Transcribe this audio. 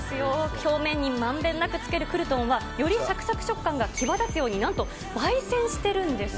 表面にまんべんなくつけるクルトンはよりさくさく食感が際立つようになんとばい煎してるんです。